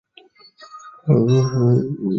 远东联邦管区是俄罗斯位于远东的联邦区。